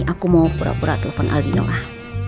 aku mau pura pura telepon aldino lah